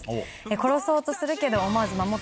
殺そうとするけど思わず守ってしまう